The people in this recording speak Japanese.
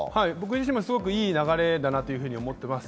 僕自身もいい流れだなと思ってます。